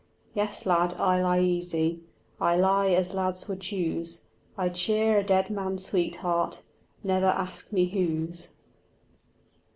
Yes, lad, I lie easy, I lie as lads would choose; I cheer a dead man's sweetheart, Never ask me whose.